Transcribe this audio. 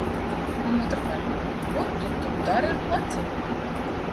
Un, otrkārt, ko tu tur dari ar pleciem?